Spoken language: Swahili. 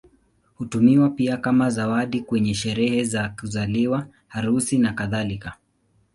Hutumiwa pia kama zawadi kwenye sherehe za kuzaliwa, harusi, nakadhalika.